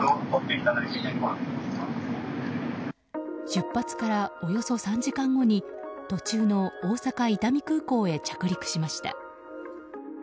出発からおよそ３時間後に途中の大阪・伊丹空港へ着陸しました。